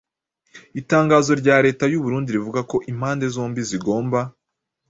Itangazo rya leta y'u Burundi rivuga ko izo mpande zombi zigomba "